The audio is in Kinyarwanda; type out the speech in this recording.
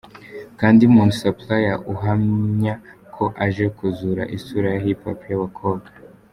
CandyMoon Supplier uhamya ko aje kuzura isura ya Hip hop y'abakobwa.